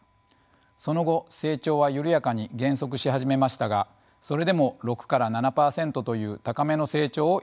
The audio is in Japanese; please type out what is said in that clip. その後成長は緩やかに減速し始めましたがそれでも６から７％という高めの成長を維持していました。